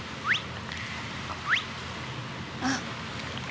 「あっ！」